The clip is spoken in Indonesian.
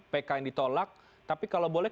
pk yang ditolak tapi kalau boleh